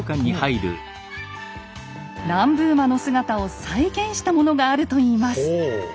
南部馬の姿を再現したものがあるといいます。